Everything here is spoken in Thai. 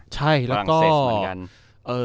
ใช่แล้วก็